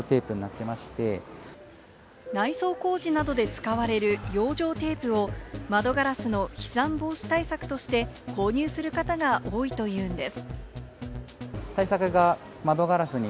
内装工事などで使われる養生テープを窓ガラスの飛散防止対策として購入する方が多いというんです。